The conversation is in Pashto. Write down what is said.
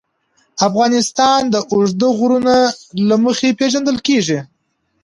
افغانستان د اوږده غرونه له مخې پېژندل کېږي.